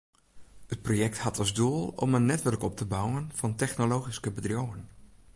It projekt hat as doel om in netwurk op te bouwen fan technologyske bedriuwen.